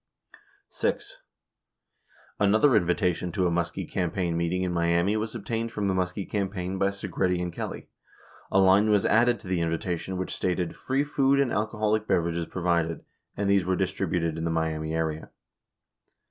72 6. Another invitation to a Muskie campaign meeting in Miami was obtained from the Muskie campaign by Segretti and Kelly. A line was added to the invitation which stated "Free Food and Alcoholic Beverages Provided," and these were distributed in the Miami area.